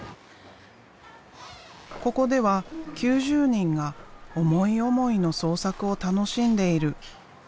ここでは９０人が思い思いの創作を楽しんでいる。